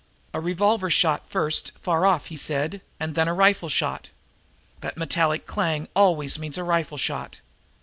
"A revolver shot first, far off," he said, "and then a rifle shot. That metallic clang always means a rifle shot."